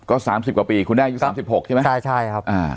ก็สามสิบกว่าปีคุณแด้อยู่สามสิบหกใช่ไหมใช่ใช่ครับอ่า